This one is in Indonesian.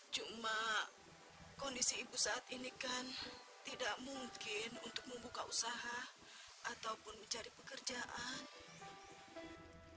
cuma kondisi ibu saat ini kan tidak mungkin untuk membuka usaha ataupun mencari pekerjaan